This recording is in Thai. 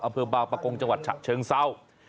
อำเภอบางประกงจังหวัดฉะเชิงเศร้า